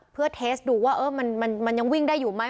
เพื่อเทสต์ดูว่ามันยังวิ่งได้ยังมั้ย